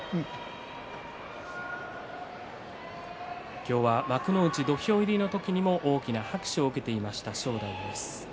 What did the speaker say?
今日は幕内土俵入りの時でも大きな拍手を受けていました正代です。